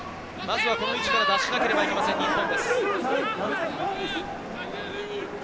まずはこの位置から脱しなければいけません、日本。